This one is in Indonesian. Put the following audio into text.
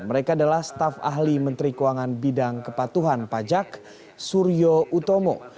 mereka adalah staf ahli menteri keuangan bidang kepatuhan pajak suryo utomo